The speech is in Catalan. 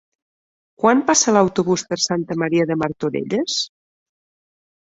Quan passa l'autobús per Santa Maria de Martorelles?